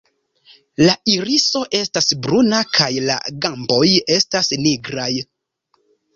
La iriso estas bruna kaj la gamboj estas nigraj.